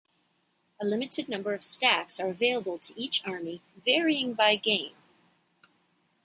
A limited number of stacks are available to each army, varying by game.